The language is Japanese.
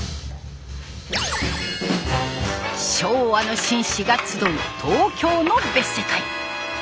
昭和の紳士が集う東京の別世界。